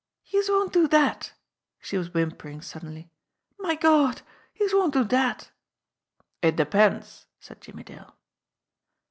"Youse won't do dat!" She was whimpering suddenly. "My Gawd, youse won't do dat!" "It depends," said Jimmie Dale.